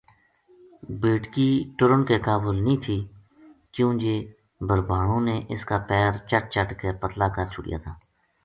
بیٹکی ٹرن کے قابل نہ تھی کیوں جے بھربھانو نے اس کا پیر چَٹ چَٹ کے پتلا کر چھُڑیا تھا